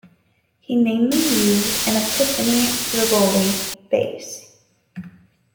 He mainly used an Epiphone Rivoli bass.